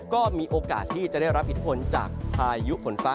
ก็มีโอกาสที่จะได้รับอิทธิพลจากพายุฝนฟ้า